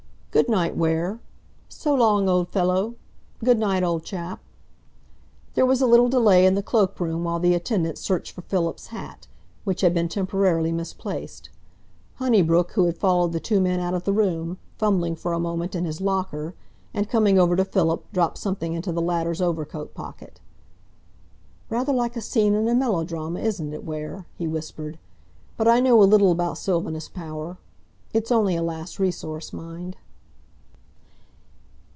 "Goodnight, Ware!" "So long, old fellow!" "Good night, old chap!" There was a little delay in the cloakroom while the attendant searched for Philip's hat, which had been temporarily misplaced. Honeybrook, who had followed the two men out of the room, fumbling for a moment in his locker and, coming over to Philip, dropped something into the latter's overcoat pocket. "Rather like a scene in a melodrama, isn't it, Ware," he whispered, "but I know a little about Sylvanus Power. It's only a last resource, mind."